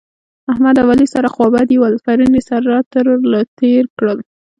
احمد او علي سره خوابدي ول؛ پرون يې سره تر له تېر کړل